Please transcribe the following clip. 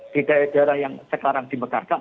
di daerah daerah yang sekarang dimekarkan